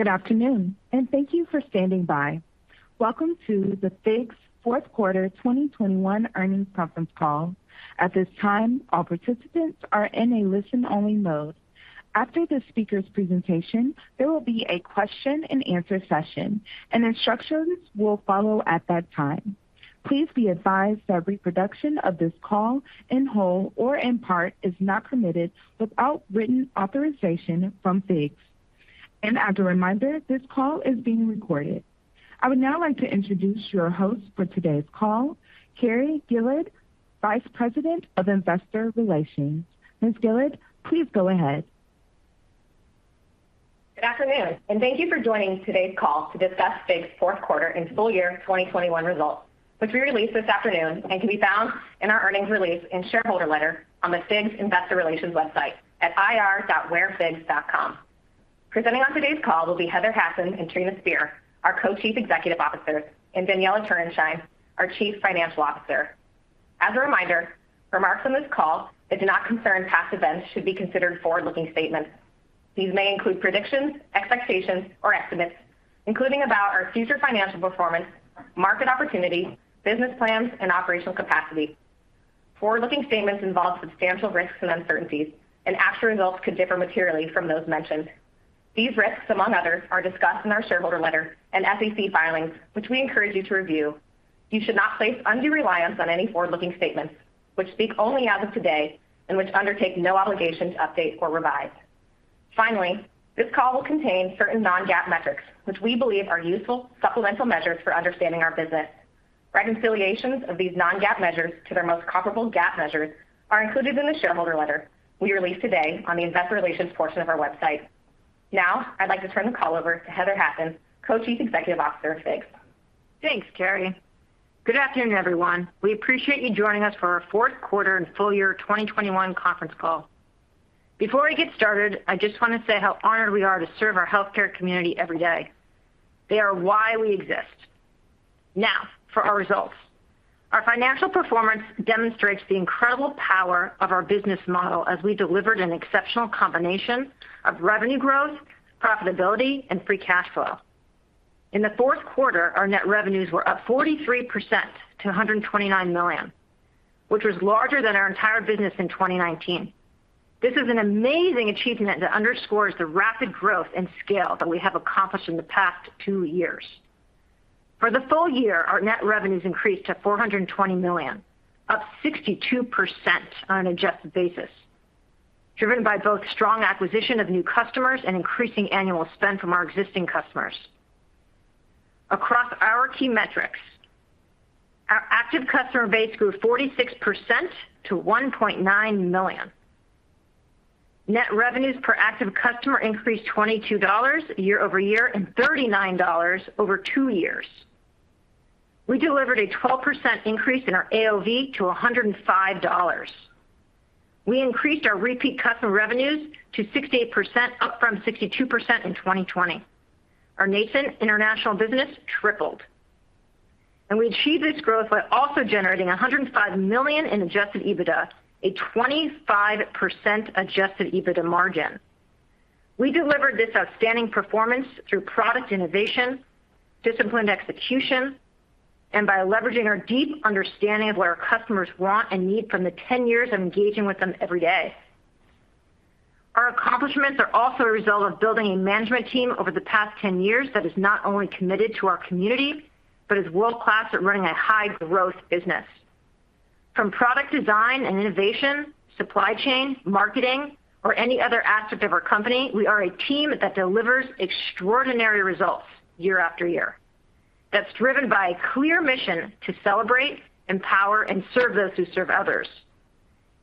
Good afternoon, and thank you for standing by. Welcome to the FIGS' Fourth Quarter 2021 Earnings Conference Call. At this time, all participants are in a listen-only mode. After the speaker's presentation, there will be a question and answer session, and instructions will follow at that time. Please be advised that reproduction of this call in whole or in part is not permitted without written authorization from FIGS. As a reminder, this call is being recorded. I would now like to introduce your host for today's call, Carrie Gillard, Vice President of Investor Relations. Ms. Gillard, please go ahead. Good afternoon, and thank you for joining today's call to discuss FIGS fourth quarter and full year 2021 results, which we released this afternoon and can be found in our earnings release and shareholder letter on the FIGS Investor Relations website at ir.wearfigs.com. Presenting on today's call will be Heather Hasson and Trina Spear, our Co-Chief Executive Officers, and Daniella Turenshine, our Chief Financial Officer. As a reminder, remarks on this call that do not concern past events should be considered forward-looking statements. These may include predictions, expectations, or estimates, including about our future financial performance, market opportunity, business plans, and operational capacity. Forward-looking statements involve substantial risks and uncertainties, and actual results could differ materially from those mentioned. These risks, among others, are discussed in our shareholder letter and SEC filings, which we encourage you to review. You should not place undue reliance on any forward-looking statements which speak only as of today and which undertake no obligation to update or revise. Finally, this call will contain certain non-GAAP metrics, which we believe are useful supplemental measures for understanding our business. Reconciliations of these non-GAAP measures to their most comparable GAAP measures are included in the shareholder letter we released today on the investor relations portion of our website. Now, I'd like to turn the call over to Heather Hasson, Co-Chief Executive Officer of FIGS. Thanks, Carrie. Good afternoon, everyone. We appreciate you joining us for our fourth quarter and full year 2021 conference call. Before we get started, I just wanna say how honored we are to serve our healthcare community every day. They are why we exist. Now, for our results. Our financial performance demonstrates the incredible power of our business model as we delivered an exceptional combination of revenue growth, profitability, and free cash flow. In the fourth quarter, our net revenues were up 43% to $129 million, which was larger than our entire business in 2019. This is an amazing achievement that underscores the rapid growth and scale that we have accomplished in the past two years. For the full year, our net revenues increased to $420 million, up 62% on an adjusted basis, driven by both strong acquisition of new customers and increasing annual spend from our existing customers. Across our key metrics, our active customer base grew 46% to $1.9 million. Net revenues per active customer increased $22 year over year and $39 over two years. We delivered a 12% increase in our AOV to $105. We increased our repeat customer revenues to 68%, up from 62% in 2020. Our nascent international business tripled. We achieved this growth by also generating $105 million in adjusted EBITDA, a 25% adjusted EBITDA margin. We delivered this outstanding performance through product innovation, disciplined execution, and by leveraging our deep understanding of what our customers want and need from the 10 years of engaging with them every day. Our accomplishments are also a result of building a management team over the past 10 years that is not only committed to our community, but is world-class at running a high-growth business. From product design and innovation, supply chain, marketing, or any other aspect of our company, we are a team that delivers extraordinary results year after year. That's driven by a clear mission to celebrate, empower, and serve those who serve others.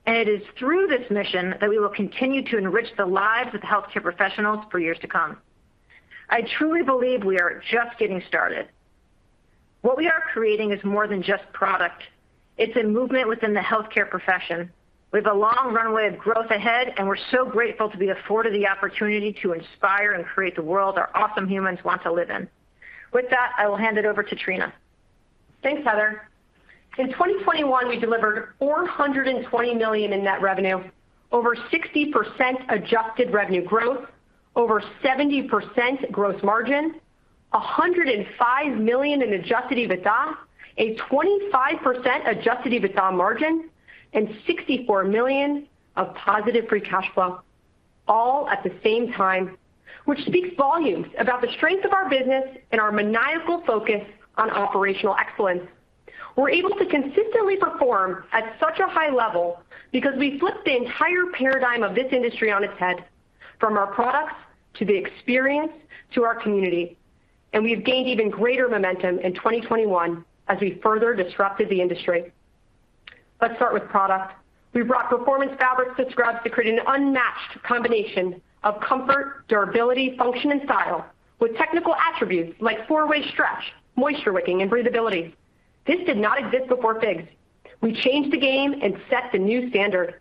It is through this mission that we will continue to enrich the lives of healthcare professionals for years to come. I truly believe we are just getting started. What we are creating is more than just product. It's a movement within the healthcare profession. We have a long runway of growth ahead, and we're so grateful to be afforded the opportunity to inspire and create the world our awesome humans want to live in. With that, I will hand it over to Trina. Thanks, Heather. In 2021, we delivered $420 million in net revenue, over 60% adjusted revenue growth, over 70% gross margin, $105 million in adjusted EBITDA, a 25% adjusted EBITDA margin, and $64 million of positive free cash flow, all at the same time, which speaks volumes about the strength of our business and our maniacal focus on operational excellence. We're able to consistently perform at such a high level because we flipped the entire paradigm of this industry on its head from our products to the experience to our community, and we've gained even greater momentum in 2021 as we further disrupted the industry. Let's start with product. We brought performance fabric to scrubs to create an unmatched combination of comfort, durability, function, and style with technical attributes like four-way stretch, moisture wicking, and breathability. This did not exist before FIGS. We changed the game and set the new standard.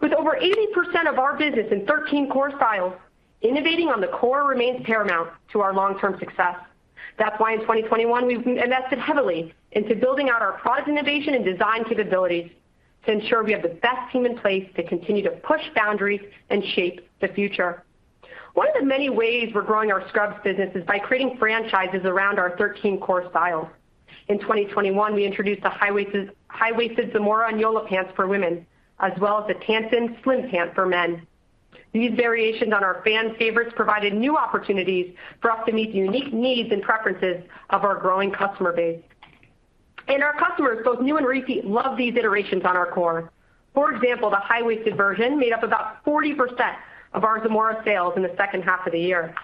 With over 80% of our business in 13 core styles, innovating on the core remains paramount to our long-term success. That's why in 2021, we've invested heavily into building out our product innovation and design capabilities. To ensure we have the best team in place to continue to push boundaries and shape the future. One of the many ways we're growing our scrubs business is by creating franchises around our 13 core styles. In 2021, we introduced the high-waisted Zamora and Yola pants for women, as well as the Tansen slim pant for men. These variations on our fan favorites provided new opportunities for us to meet the unique needs and preferences of our growing customer base. Our customers, both new and repeat, love these iterations on our core. For example, the high-waisted version made up about 40% of our Zamora sales in the second half of the year.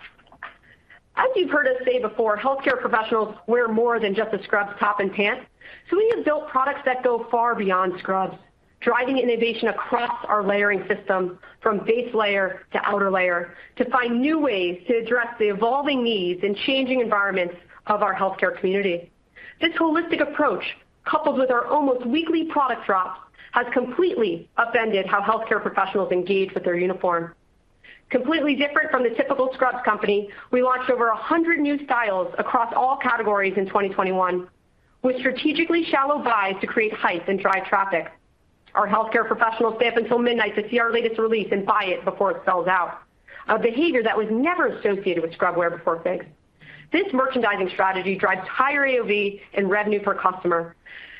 As you've heard us say before, healthcare professionals wear more than just a scrubs top and pants, so we have built products that go far beyond scrubs, driving innovation across our layering system from base layer to outer layer to find new ways to address the evolving needs and changing environments of our healthcare community. This holistic approach, coupled with our almost weekly product drops, has completely upended how healthcare professionals engage with their uniform. Completely different from the typical scrubs company, we launched over 100 new styles across all categories in 2021, with strategically shallow buys to create hype and drive traffic. Our healthcare professionals stay up until midnight to see our latest release and buy it before it sells out, a behavior that was never associated with scrub wear before FIGS. This merchandising strategy drives higher AOV and revenue per customer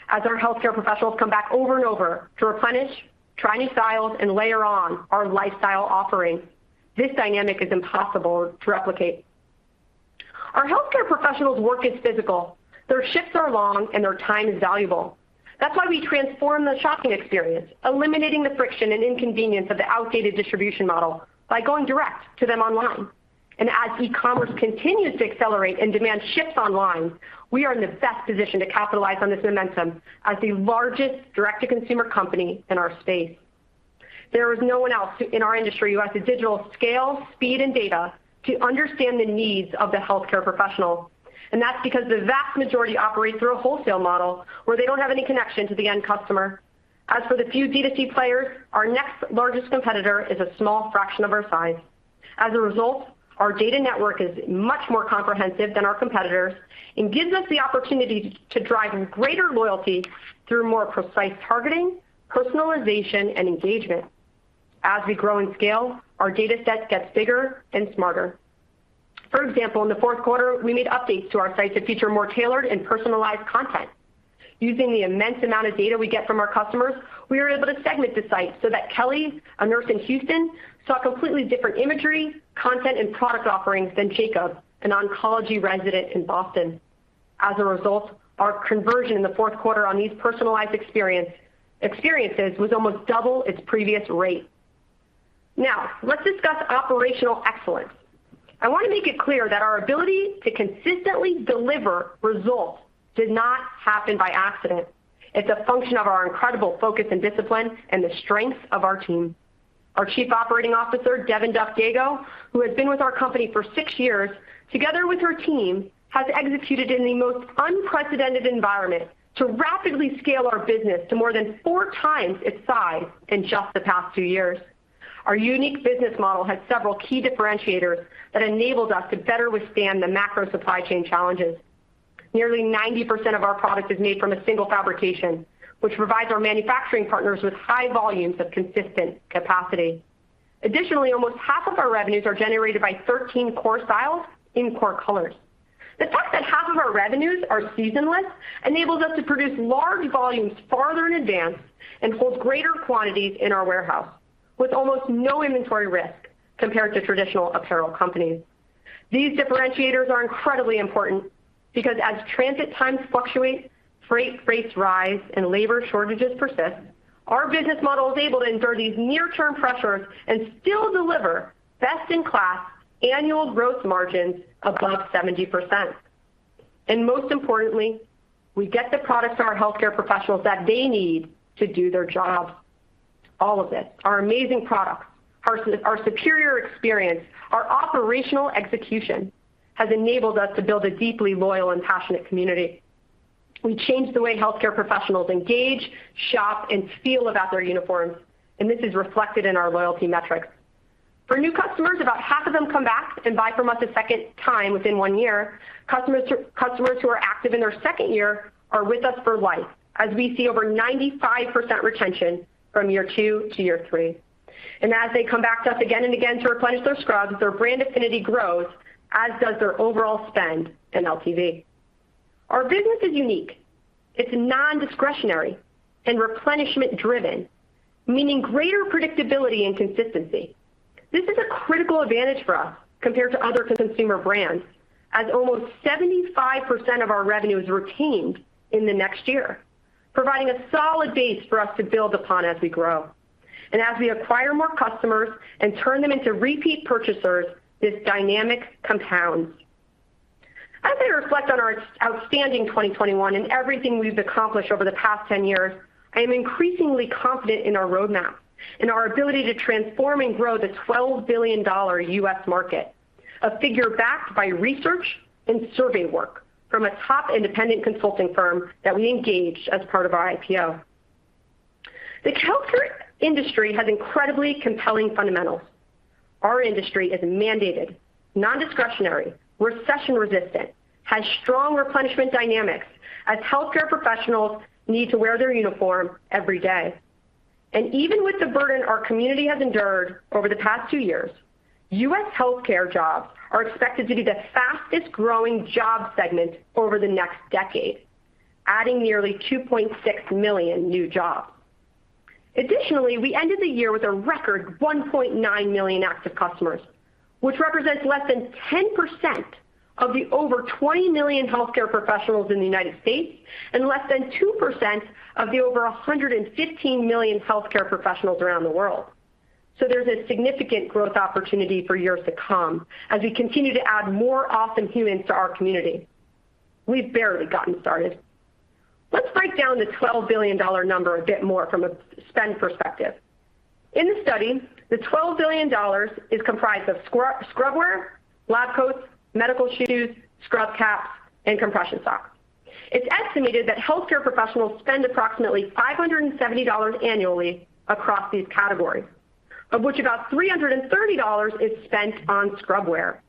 as our healthcare professionals come back over and over to replenish, try new styles, and layer on our lifestyle offerings. This dynamic is impossible to replicate. Our healthcare professionals' work is physical. Their shifts are long, and their time is valuable. That's why we transform the shopping experience, eliminating the friction and inconvenience of the outdated distribution model by going direct to them online. As e-commerce continues to accelerate and demand shifts online, we are in the best position to capitalize on this momentum as the largest direct-to-consumer company in our space. There is no one else in our industry who has the digital scale, speed, and data to understand the needs of the healthcare professional, and that's because the vast majority operate through a wholesale model where they don't have any connection to the end customer. As for the few D2C players, our next largest competitor is a small fraction of our size. As a result, our data network is much more comprehensive than our competitors and gives us the opportunity to drive greater loyalty through more precise targeting, personalization, and engagement. As we grow in scale, our data set gets bigger and smarter. For example, in the fourth quarter, we made updates to our site to feature more tailored and personalized content. Using the immense amount of data we get from our customers, we are able to segment the site so that Kelly, a nurse in Houston, saw completely different imagery, content, and product offerings than Jacob, an oncology resident in Boston. As a result, our conversion in the fourth quarter on these personalized experiences was almost double its previous rate. Now, let's discuss operational excellence. I want to make it clear that our ability to consistently deliver results did not happen by accident. It's a function of our incredible focus and discipline and the strength of our team. Our Chief Operating Officer, Devon Duff Gago, who has been with our company for six years, together with her team, has executed in the most unprecedented environment to rapidly scale our business to more than four times its size in just the past two years. Our unique business model has several key differentiators that enabled us to better withstand the macro supply chain challenges. Nearly 90% of our product is made from a single fabrication, which provides our manufacturing partners with high volumes of consistent capacity. Additionally, almost half of our revenues are generated by 13 core styles in core colors. The fact that half of our revenues are seasonless enables us to produce large volumes farther in advance and hold greater quantities in our warehouse with almost no inventory risk compared to traditional apparel companies. These differentiators are incredibly important because as transit times fluctuate, freight rates rise, and labor shortages persist, our business model is able to endure these near-term pressures and still deliver best-in-class annual growth margins above 70%. Most importantly, we get the products to our healthcare professionals that they need to do their jobs. All of it, our amazing products, our superior experience, our operational execution, has enabled us to build a deeply loyal and passionate community. We changed the way healthcare professionals engage, shop, and feel about their uniforms, and this is reflected in our loyalty metrics. For new customers, about half of them come back and buy from us a second time within one year. Customers who are active in their second year are with us for life, as we see over 95% retention from year two to year three. As they come back to us again and again to replenish their scrubs, their brand affinity grows, as does their overall spend and LTV. Our business is unique. It's nondiscretionary and replenishment driven, meaning greater predictability and consistency. This is a critical advantage for us compared to other consumer brands, as almost 75% of our revenue is retained in the next year, providing a solid base for us to build upon as we grow. As we acquire more customers and turn them into repeat purchasers, this dynamic compounds. As I reflect on our outstanding 2021 and everything we've accomplished over the past 10 years, I am increasingly confident in our roadmap and our ability to transform and grow the $12 billion U.S. market, a figure backed by research and survey work from a top independent consulting firm that we engaged as part of our IPO. The healthcare industry has incredibly compelling fundamentals. Our industry is mandated, non-discretionary, recession-resistant, has strong replenishment dynamics as healthcare professionals need to wear their uniform every day. Even with the burden our community has endured over the past two years, U.S. healthcare jobs are expected to be the fastest-growing job segment over the next decade, adding nearly 2.6 million new jobs. Additionally, we ended the year with a record 1.9 million active customers, which represents less than 10% of the over 20 million healthcare professionals in the United States, and less than 2% of the over 115 million healthcare professionals around the world. There's a significant growth opportunity for years to come as we continue to add more awesome humans to our community. We've barely gotten started. Let's break down the $12 billion number a bit more from a spend perspective. In the study, the $12 billion is comprised of scrub wear, lab coats, medical shoes, scrub caps, and compression socks. It's estimated that healthcare professionals spend approximately $570 annually across these categories, of which about $330 is spent on scrub wear.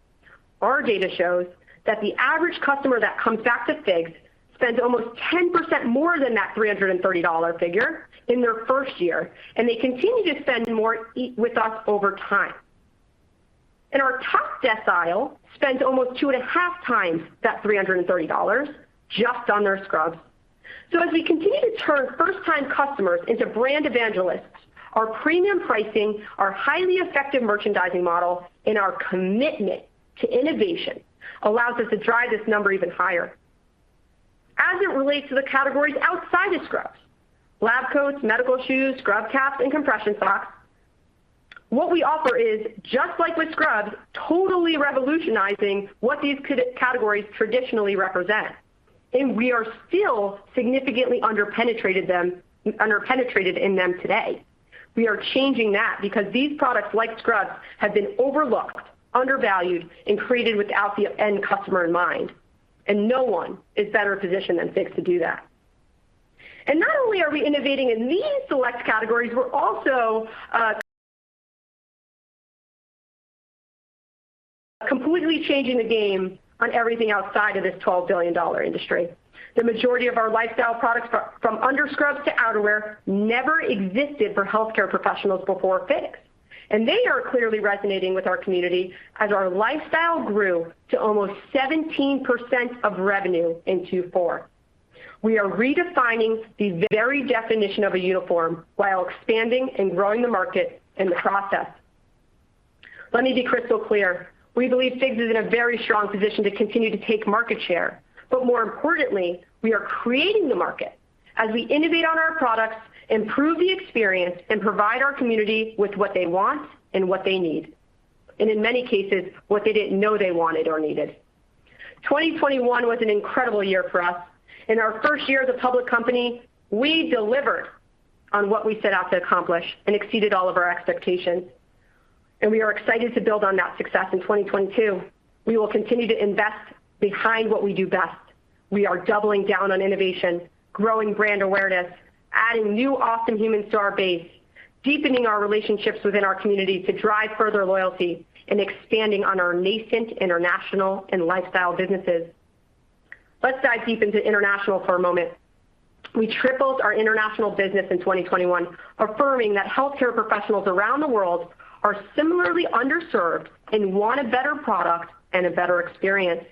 Our data shows that the average customer that comes back to FIGS spends almost 10% more than that $330 figure in their first year, and they continue to spend more with us over time. Our top decile spends almost 2.5 times that $330 just on their scrubs. As we continue to turn first-time customers into brand evangelists, our premium pricing, our highly effective merchandising model, and our commitment to innovation allows us to drive this number even higher. As it relates to the categories outside of scrubs, lab coats, medical shoes, scrub caps, and compression socks, what we offer is, just like with scrubs, totally revolutionizing what these categories traditionally represent. We are still significantly underpenetrated in them today. We are changing that because these products, like scrubs, have been overlooked, undervalued, and created without the end customer in mind, and no one is better positioned than FIGS to do that. Not only are we innovating in these select categories, we're also completely changing the game on everything outside of this $12 billion industry. The majority of our lifestyle products, from under scrubs to outerwear, never existed for healthcare professionals before FIGS. They are clearly resonating with our community as our lifestyle grew to almost 17% of revenue in 2024. We are redefining the very definition of a uniform while expanding and growing the market in the process. Let me be crystal clear. We believe FIGS is in a very strong position to continue to take market share. But more importantly, we are creating the market as we innovate on our products, improve the experience, and provide our community with what they want and what they need, and in many cases, what they didn't know they wanted or needed. 2021 was an incredible year for us. In our first year as a public company, we delivered on what we set out to accomplish and exceeded all of our expectations. We are excited to build on that success in 2022. We will continue to invest behind what we do best. We are doubling down on innovation, growing brand awareness, adding new awesome humans to our base, deepening our relationships within our community to drive further loyalty, and expanding on our nascent international and lifestyle businesses. Let's dive deep into international for a moment. We tripled our international business in 2021, affirming that healthcare professionals around the world are similarly underserved and want a better product and a better experience.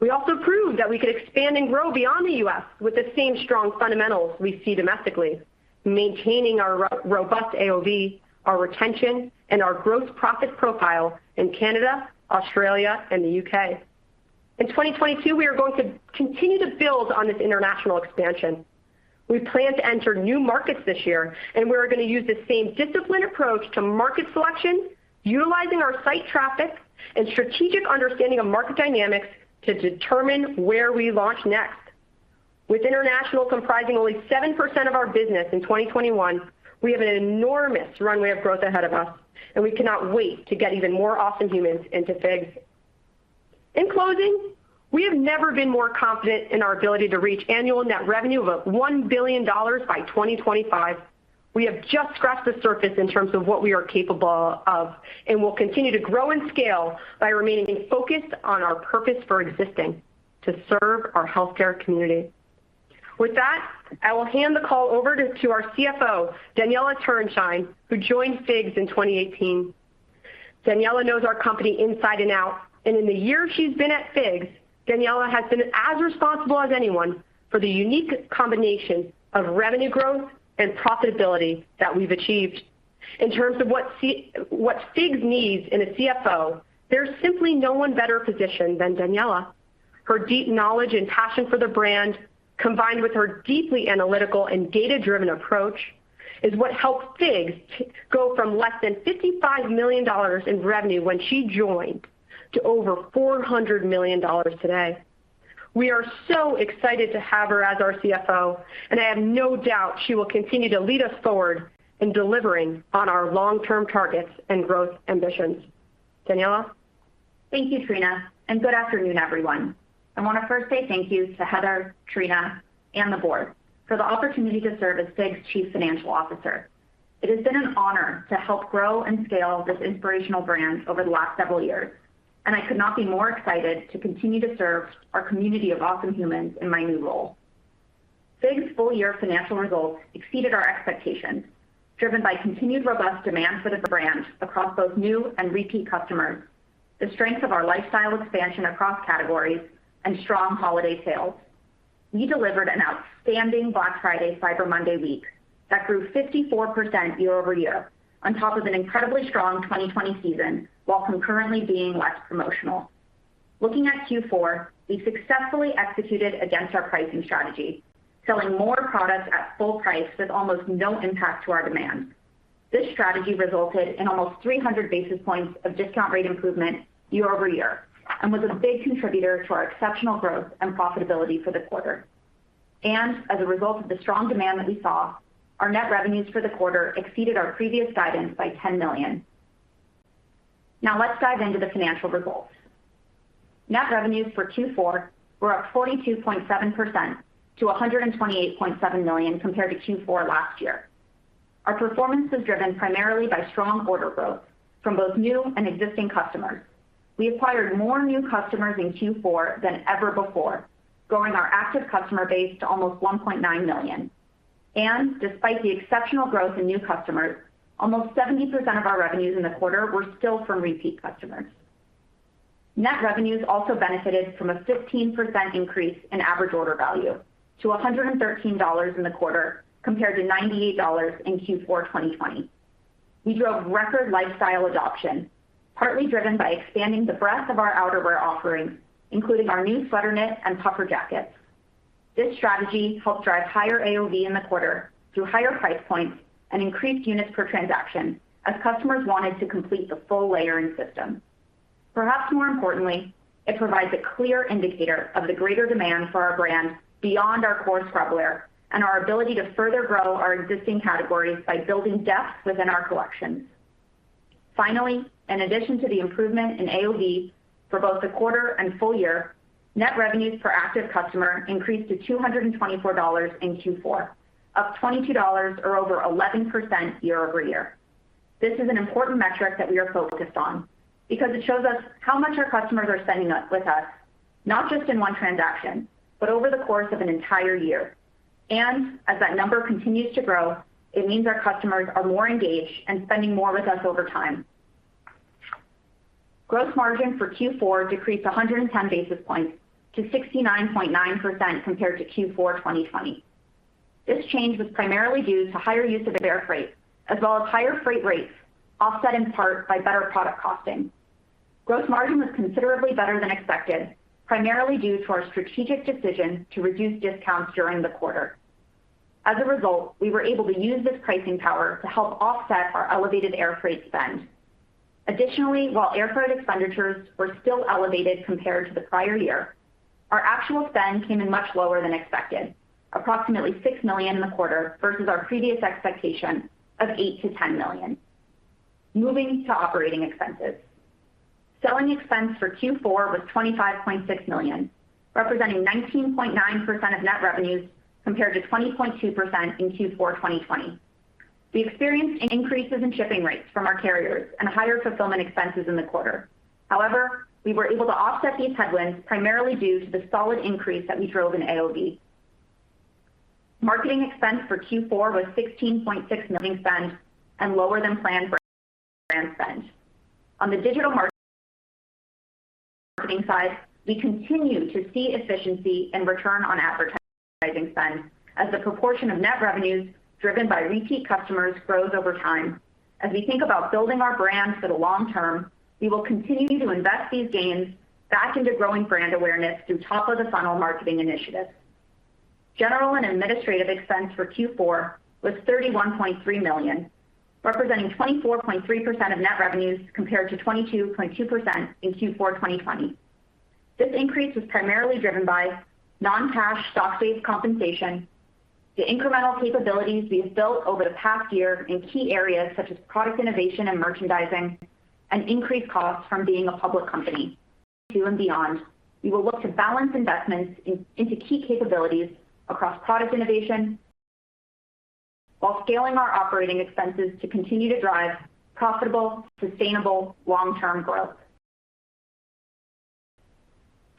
We also proved that we could expand and grow beyond the U.S. with the same strong fundamentals we see domestically, maintaining our robust AOV, our retention, and our gross profit profile in Canada, Australia, and the U.K. In 2022, we are going to continue to build on this international expansion. We plan to enter new markets this year, and we're gonna use the same disciplined approach to market selection, utilizing our site traffic and strategic understanding of market dynamics to determine where we launch next. With international comprising only 7% of our business in 2021, we have an enormous runway of growth ahead of us, and we cannot wait to get even more awesome humans into FIGS. In closing, we have never been more confident in our ability to reach annual net revenue of $1 billion by 2025. We have just scratched the surface in terms of what we are capable of, and we'll continue to grow and scale by remaining focused on our purpose for existing, to serve our healthcare community. With that, I will hand the call over to our CFO, Daniella Turenshine, who joined FIGS in 2018. Daniella knows our company inside and out, and in the year she's been at FIGS, Daniella has been as responsible as anyone for the unique combination of revenue growth and profitability that we've achieved. In terms of what FIGS needs in a CFO, there's simply no one better positioned than Daniella. Her deep knowledge and passion for the brand, combined with her deeply analytical and data-driven approach, is what helped FIGS go from less than $55 million in revenue when she joined to over $400 million today. We are so excited to have her as our CFO, and I have no doubt she will continue to lead us forward in delivering on our long-term targets and growth ambitions. Daniella? Thank you, Trina, and good afternoon, everyone. I wanna first say thank you to Heather, Trina, and the board for the opportunity to serve as FIGS's Chief Financial Officer. It has been an honor to help grow and scale this inspirational brand over the last several years, and I could not be more excited to continue to serve our community of awesome humans in my new role. FIGS's full-year financial results exceeded our expectations, driven by continued robust demand for the brand across both new and repeat customers, the strength of our lifestyle expansion across categories and strong holiday sales. We delivered an outstanding Black Friday/Cyber Monday week that grew 54% year-over-year on top of an incredibly strong 2020 season, while concurrently being less promotional. Looking at Q4, we successfully executed against our pricing strategy, selling more products at full price with almost no impact to our demand. This strategy resulted in almost 300 basis points of discount rate improvement year-over-year, and was a big contributor to our exceptional growth and profitability for the quarter. As a result of the strong demand that we saw, our net revenues for the quarter exceeded our previous guidance by $10 million. Now let's dive into the financial results. Net revenues for Q4 were up 42.7% to $128.7 million compared to Q4 last year. Our performance was driven primarily by strong order growth from both new and existing customers. We acquired more new customers in Q4 than ever before, growing our active customer base to almost 1.9 million. Despite the exceptional growth in new customers, almost 70% of our revenues in the quarter were still from repeat customers. Net revenues also benefited from a 15% increase in average order value to $113 in the quarter, compared to $98 in Q4 2020. We drove record lifestyle adoption, partly driven by expanding the breadth of our outerwear offerings, including our new sweater knit and puffer jackets. This strategy helped drive higher AOV in the quarter through higher price points and increased units per transaction as customers wanted to complete the full layering system. Perhaps more importantly, it provides a clear indicator of the greater demand for our brand beyond our core scrub wear and our ability to further grow our existing categories by building depth within our collections. Finally, in addition to the improvement in AOV for both the quarter and full year, net revenues per active customer increased to $224 in Q4, up $22 or over 11% year-over-year. This is an important metric that we are focused on because it shows us how much our customers are spending with us, not just in one transaction, but over the course of an entire year. As that number continues to grow, it means our customers are more engaged and spending more with us over time. Gross margin for Q4 decreased 110 basis points to 69.9% compared to Q4 2020. This change was primarily due to higher use of air freight as well as higher freight rates, offset in part by better product costing. Gross margin was considerably better than expected, primarily due to our strategic decision to reduce discounts during the quarter. As a result, we were able to use this pricing power to help offset our elevated air freight spend. Additionally, while air freight expenditures were still elevated compared to the prior year, our actual spend came in much lower than expected, approximately $6 million in the quarter versus our previous expectation of $8 million-$10 million. Moving to operating expenses. Selling expense for Q4 was $25.6 million, representing 19.9% of net revenues, compared to 20.2% in Q4 2020. We experienced increases in shipping rates from our carriers and higher fulfillment expenses in the quarter. However, we were able to offset these headwinds primarily due to the solid increase that we drove in AOV. Marketing expense for Q4 was $16.6 million spend and lower than planned for brand spend. On the digital marketing side, we continue to see efficiency and return on advertising spend as the proportion of net revenues driven by repeat customers grows over time. As we think about building our brand for the long term, we will continue to invest these gains back into growing brand awareness through top of the funnel marketing initiatives. General and administrative expense for Q4 was $31.3 million, representing 24.3% of net revenues compared to 22.2% in Q4 2020. This increase was primarily driven by non-cash stock-based compensation, the incremental capabilities we have built over the past year in key areas such as product innovation and merchandising, and increased costs from being a public company. To and beyond, we will look to balance investments into key capabilities across product innovation while scaling our operating expenses to continue to drive profitable, sustainable long-term growth.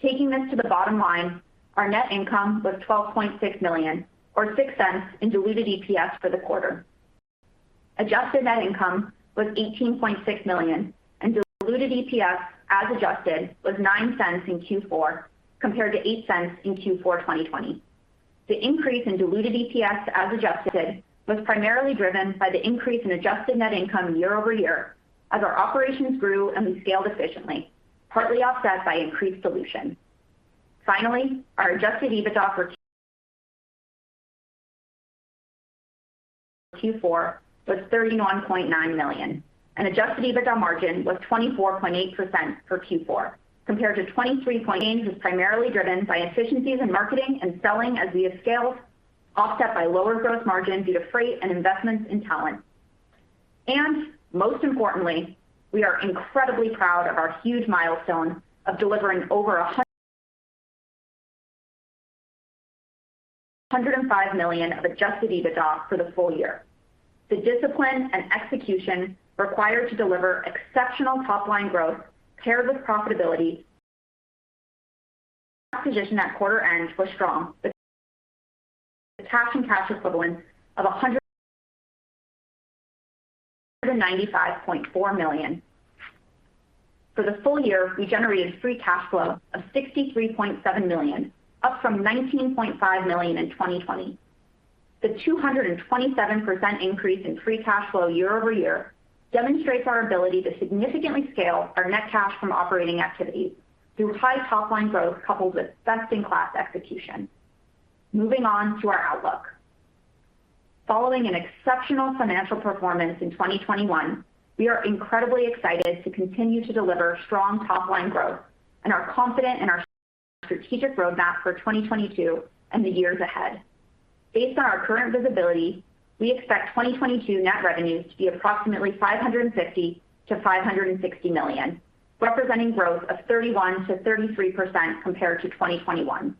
Taking this to the bottom line, our net income was $12.6 million or $0.06 in diluted EPS for the quarter. Adjusted net income was $18.6 million and diluted EPS as adjusted was $0.09 in Q4 compared to $0.08 in Q4 2020. The increase in diluted EPS as adjusted was primarily driven by the increase in adjusted net income year-over-year as our operations grew and we scaled efficiently, partly offset by increased dilution. Finally, our adjusted EBITDA for Q4 was $31.9 million and adjusted EBITDA margin was 24.8% for Q4 compared to 23.8%. Gross margin was primarily driven by efficiencies in marketing and selling as we have scaled, offset by lower gross margin due to freight and investments in talent. Most importantly, we are incredibly proud of our huge milestone of delivering over $105 million of adjusted EBITDA for the full year. The discipline and execution required to deliver exceptional top line growth paired with profitability. Position at quarter end was strong with cash and cash equivalents of $195.4 million. For the full year, we generated free cash flow of $63.7 million, up from $19.5 million in 2020. The 227% increase in free cash flow year-over-year demonstrates our ability to significantly scale our net cash from operating activities through high top-line growth coupled with best-in-class execution. Moving on to our outlook. Following an exceptional financial performance in 2021, we are incredibly excited to continue to deliver strong top-line growth and are confident in our strategic roadmap for 2022 and the years ahead. Based on our current visibility, we expect 2022 net revenues to be approximately $550 million-$560 million, representing growth of 31%-33% compared to 2021.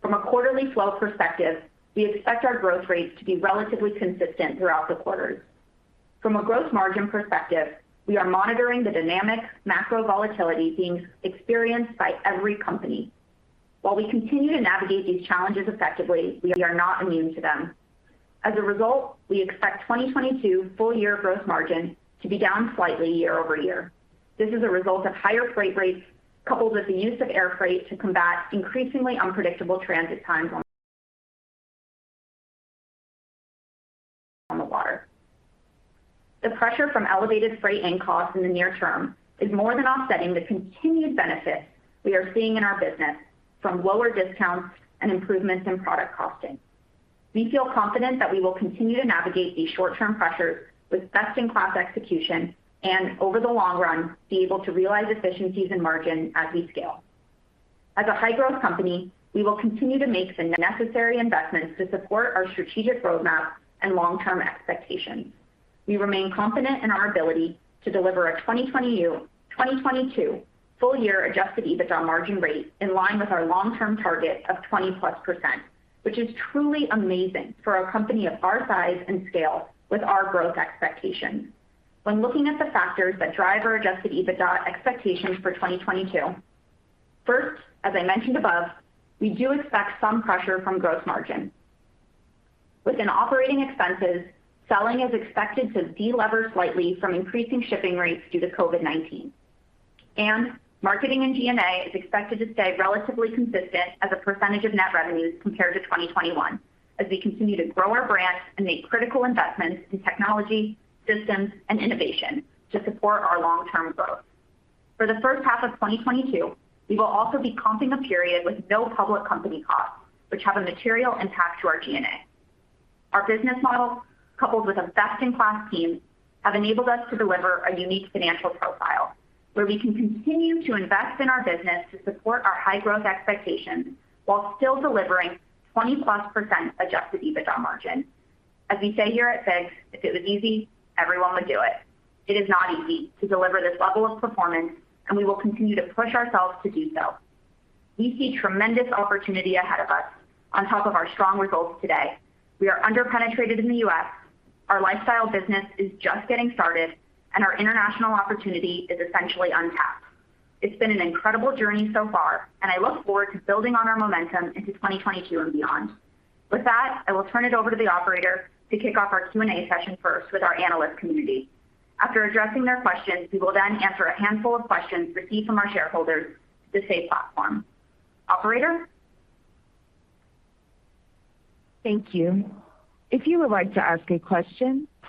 From a quarterly flow perspective, we expect our growth rates to be relatively consistent throughout the quarters. From a gross margin perspective, we are monitoring the dynamic macro volatility being experienced by every company. While we continue to navigate these challenges effectively, we are not immune to them. As a result, we expect 2022 full-year gross margin to be down slightly year-over-year. This is a result of higher freight rates coupled with the use of air freight to combat increasingly unpredictable transit times on the water. The pressure from elevated freight end costs in the near term is more than offsetting the continued benefits we are seeing in our business from lower discounts and improvements in product costing. We feel confident that we will continue to navigate these short-term pressures with best in class execution and over the long run, be able to realize efficiencies in margin as we scale. As a high growth company, we will continue to make the necessary investments to support our strategic roadmap and long-term expectations. We remain confident in our ability to deliver a 2022 full year adjusted EBITDA margin rate in line with our long-term target of +20%, which is truly amazing for a company of our size and scale with our growth expectations. When looking at the factors that drive our adjusted EBITDA expectations for 2022, first, as I mentioned above, we do expect some pressure from gross margin. Within operating expenses, selling is expected to de-lever slightly from increasing shipping rates due to COVID-19. Marketing and G&A is expected to stay relatively consistent as a percentage of net revenues compared to 2021 as we continue to grow our brands and make critical investments in technology, systems, and innovation to support our long-term growth. For the first half of 2022, we will also be comping a period with no public company costs, which have a material impact to our G&A. Our business model, coupled with a best in class team, have enabled us to deliver a unique financial profile where we can continue to invest in our business to support our high growth expectations while still delivering 20%+ adjusted EBITDA margin. As we say here at FIGS, if it was easy, everyone would do it. It is not easy to deliver this level of performance, and we will continue to push ourselves to do so. We see tremendous opportunity ahead of us on top of our strong results today. We are under-penetrated in the U.S., our lifestyle business is just getting started, and our international opportunity is essentially untapped. It's been an incredible journey so far, and I look forward to building on our momentum into 2022 and beyond. With that, I will turn it over to the operator to kick off our Q&A session first with our analyst community. After addressing their questions, we will then answer a handful of questions received from our shareholders through Say platform. Operator?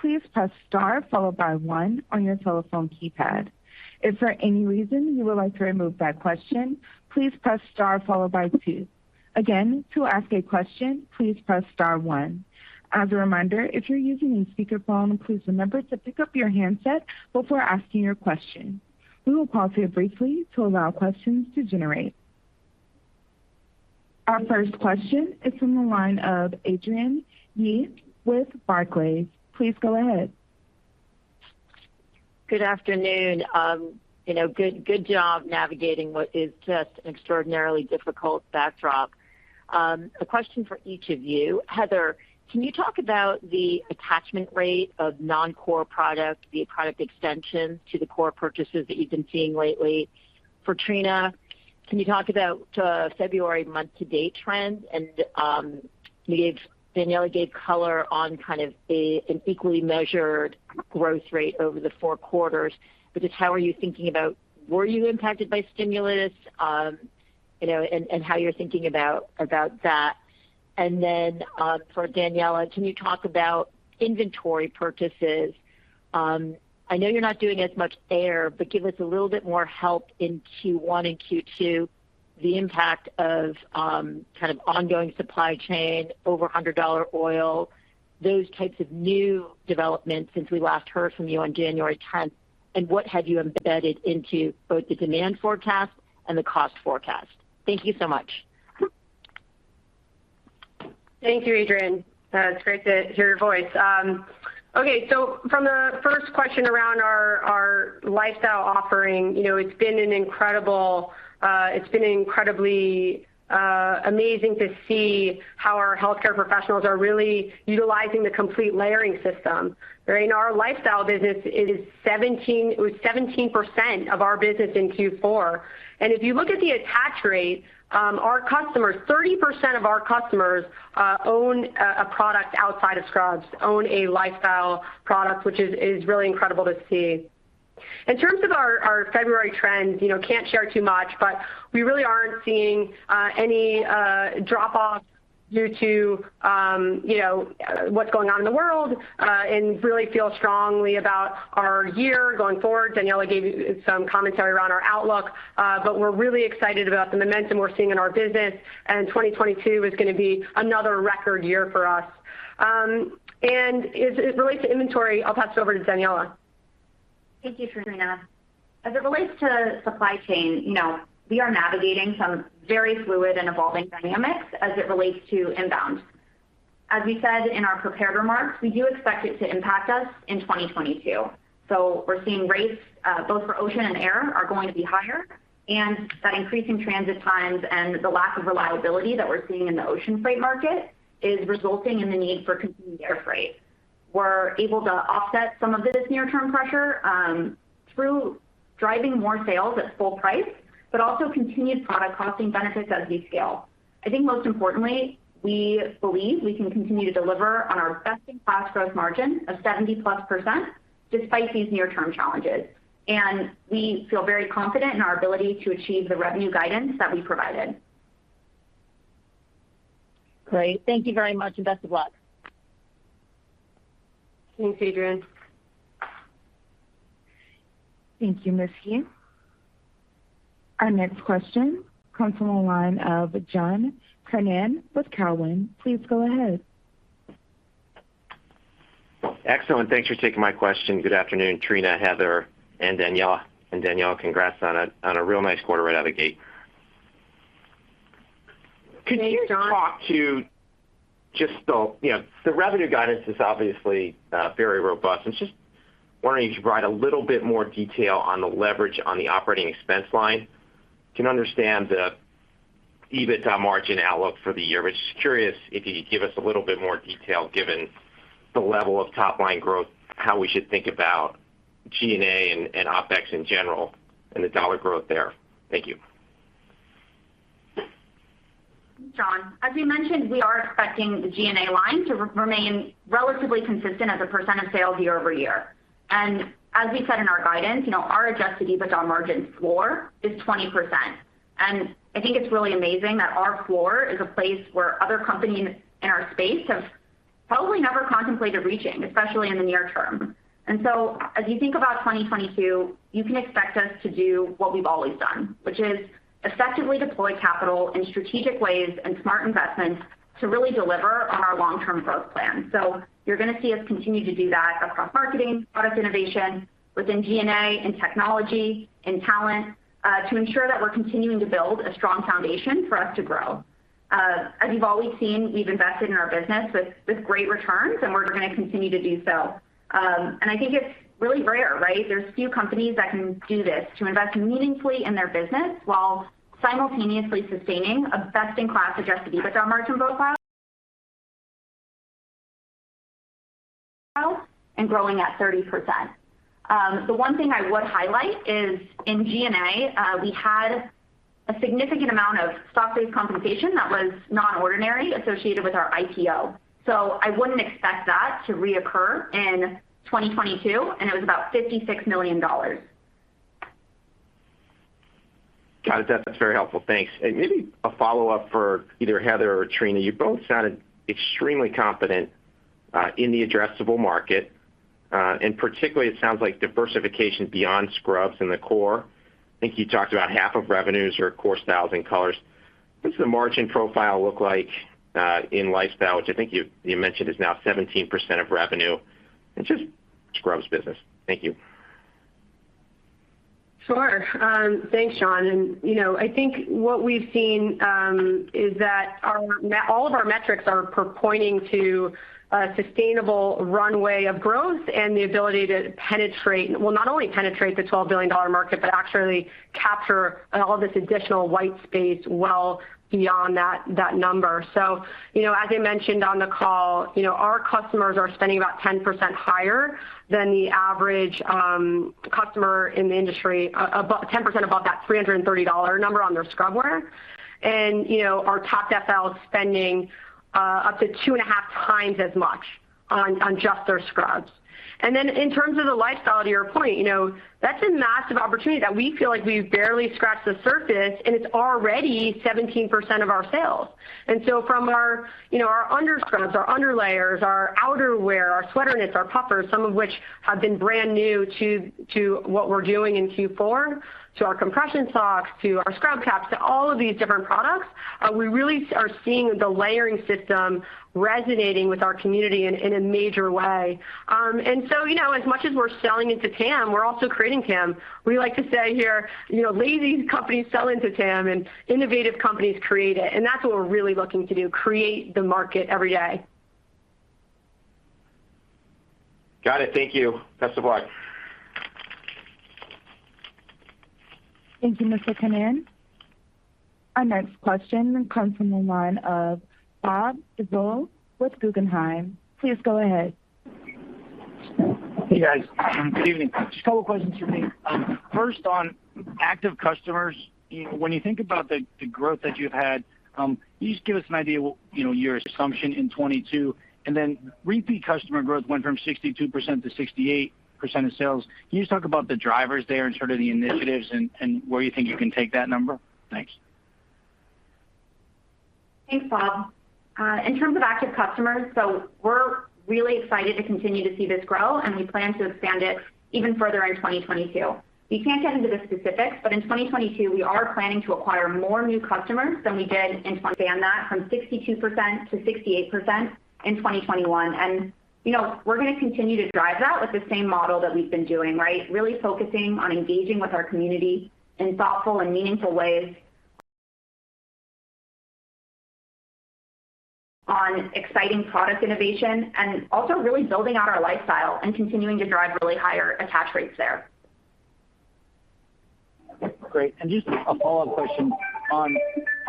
Our first question is from the line of Adrienne Yih with Barclays. Please go ahead. Good afternoon. You know, good job navigating what is just an extraordinarily difficult backdrop. A question for each of you. Heather, can you talk about the attachment rate of non-core products via product extensions to the core purchases that you've been seeing lately? For Trina, can you talk about February month to date trends? And Daniella gave color on kind of a equally measured growth rate over the four quarters. But just how are you thinking about were you impacted by stimulus? You know, and how you're thinking about that. And then, for Daniella, can you talk about inventory purchases? I know you're not doing as much air, but give us a little bit more help in Q1 and Q2, the impact of kind of ongoing supply chain, over $100 oil, those types of new developments since we last heard from you on January 10th, and what have you embedded into both the demand forecast and the cost forecast? Thank you so much. Thank you, Adrienne. It's great to hear your voice. Okay, so from the first question around our lifestyle offering, you know, it's been incredibly amazing to see how our healthcare professionals are really utilizing the complete layering system. Right? Our lifestyle business is 17% of our business in Q4. If you look at the attach rate, our customers, 30% of our customers, own a product outside of scrubs, own a lifestyle product, which is really incredible to see. In terms of our February trends, you know, can't share too much, but we really aren't seeing any drop off due to what's going on in the world, and really feel strongly about our year going forward. Daniella gave you some commentary around our outlook, but we're really excited about the momentum we're seeing in our business, and 2022 is gonna be another record year for us. As it relates to inventory, I'll pass it over to Daniella. Thank you, Trina. As it relates to supply chain, you know, we are navigating some very fluid and evolving dynamics as it relates to inbound. As we said in our prepared remarks, we do expect it to impact us in 2022. We're seeing rates, both for ocean and air are going to be higher, and that increase in transit times and the lack of reliability that we're seeing in the ocean freight market is resulting in the need for continued air freight. We're able to offset some of this near term pressure, through driving more sales at full price, but also continued product costing benefits as we scale. I think most importantly, we believe we can continue to deliver on our best in class growth margin of +70% despite these near term challenges. We feel very confident in our ability to achieve the revenue guidance that we provided. Great. Thank you very much, and best of luck. Thanks, Adrienne. Thank you, Ms. Yih. Our next question comes from the line of John Kernan with Cowen. Please go ahead. Excellent. Thanks for taking my question. Good afternoon, Trina, Heather, and Daniella. Daniella, congrats on a real nice quarter right out of the gate. Thanks, John. You know, the revenue guidance is obviously very robust. I'm just wondering if you could provide a little bit more detail on the leverage on the operating expense line. I can understand the EBITDA margin outlook for the year, but just curious if you could give us a little bit more detail given the level of top line growth, how we should think about G&A and OpEx in general and the dollar growth there. Thank you. John, as we mentioned, we are expecting the G&A line to remain relatively consistent as a percent of sales year-over-year. As we said in our guidance, you know, our adjusted EBITDA margin floor is 20%. I think it's really amazing that our floor is a place where other companies in our space have probably never contemplated reaching, especially in the near term. As you think about 2022, you can expect us to do what we've always done, which is effectively deploy capital in strategic ways and smart investments to really deliver on our long-term growth plan. You're gonna see us continue to do that across marketing, product innovation, within G&A and technology and talent, to ensure that we're continuing to build a strong foundation for us to grow. As you've always seen, we've invested in our business with great returns, and we're gonna continue to do so. I think it's really rare, right? There's few companies that can do this, to invest meaningfully in their business while simultaneously sustaining a best in class adjusted EBITDA margin profile and growing at 30%. The one thing I would highlight is in G&A, we had a significant amount of stock-based compensation that was not ordinary associated with our IPO. I wouldn't expect that to reoccur in 2022, and it was about $56 million. Got it. That's very helpful. Thanks. Maybe a follow-up for either Heather or Trina. You both sounded extremely confident in the addressable market and particularly it sounds like diversification beyond scrubs in the core. I think you talked about half of revenues are core styles and colors. What does the margin profile look like in lifestyle, which I think you mentioned is now 17% of revenue. Just scrubs business. Thank you. Sure. Thanks, John. You know, I think what we've seen is that all of our metrics are pointing to a sustainable runway of growth and the ability to penetrate. Well, not only penetrate the $12 billion market, but actually capture all this additional white space well beyond that number. You know, as I mentioned on the call, you know, our customers are spending about 10% higher than the average customer in the industry, 10% above that $330 number on their scrub wear. You know, our top decile is spending up to 2.5 times as much on just their scrubs. Then in terms of the lifestyle, to your point, you know, that's a massive opportunity that we feel like we've barely scratched the surface, and it's already 17% of our sales. From our, you know, our under scrubs, our under layers, our outer wear, our sweater knits, our puffers, some of which have been brand new to what we're doing in Q4, to our compression socks, to our scrub caps, to all of these different products, we really are seeing the layering system resonating with our community in a major way. You know, as much as we're selling into TAM, we're also creating TAM. We like to say here, you know, lazy companies sell into TAM, and innovative companies create it. That's what we're really looking to do, create the market every day. Got it. Thank you. Best of luck. Thank you, Mr. Kernan. Our next question comes from the line of Bob Drbul with Guggenheim. Please go ahead. Hey, guys. Good evening. Just a couple of questions for me. First, on active customers, when you think about the growth that you've had, can you just give us an idea what, you know, your assumption in 2022, and then repeat customer growth went from 62% to 68% of sales. Can you just talk about the drivers there and sort of the initiatives and where you think you can take that number? Thanks. Thanks, Bob. In terms of active customers, we're really excited to continue to see this grow, and we plan to expand it even further in 2022. We can't get into the specifics, but in 2022, we are planning to acquire more new customers than we did and expand that from 62% to 68% in 2021. You know, we're gonna continue to drive that with the same model that we've been doing, right? Really focusing on engaging with our community in thoughtful and meaningful ways, on exciting product innovation and also really building out our lifestyle and continuing to drive really higher attach rates there. Great. Just a follow-up question. On